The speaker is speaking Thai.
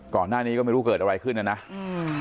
ก่อนหน้านี้ก็ไม่รู้เกิดอะไรขึ้นน่ะนะอืม